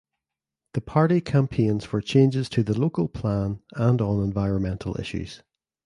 The party campaigns for changes to the Local Plan and on environmental issues.